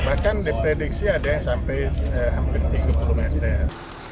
bahkan diprediksi ada yang sampai hampir tiga puluh meter